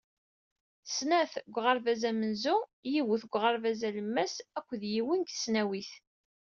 Snat n uɣerbaz amenzu, yiwet deg uɣerbaz alemmas akked yiwen deg tesnawit.